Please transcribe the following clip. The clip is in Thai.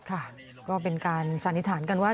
ค่ะก็เป็นการสันนิษฐานกันว่า